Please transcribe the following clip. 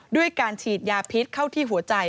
ด้วยการฉีดยาพิษเข้าที่หัวใจ